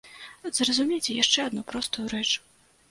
Зразумейце яшчэ адну простую рэч.